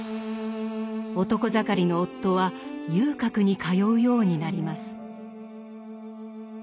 男盛りの夫は遊郭に通うようになります。